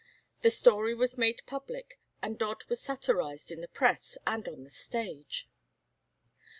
The story was made public, and Dodd was satirized in the press and on the stage.